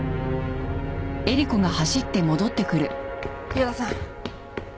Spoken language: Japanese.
屋田さん。